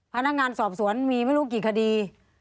พนักงานสอบสวนมีไม่รู้กี่คดี